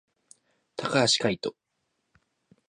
高橋海人